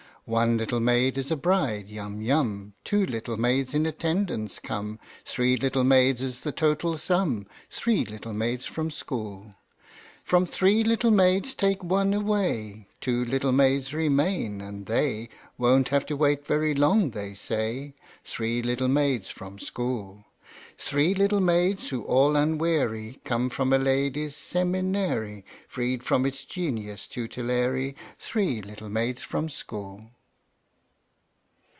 One little maid is a bride Yum Yum Two little maids in attendance come, Three little maids is the total sum Three little maids from school ! From three little maids take one away, Two little maids remain, and they Won't have to wait very long, they say Three little maids from school ! Three little maids who all unwary Come from a ladies' seminary, Freed from its genius tutelary Three little maids from school